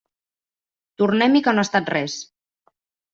Tornem-hi que no ha estat res.